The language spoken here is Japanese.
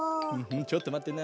ちょっとまってな。